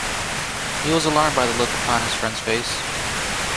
He was alarmed by the look upon his friend's face.